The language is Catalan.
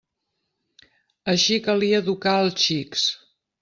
Així calia educar els xics.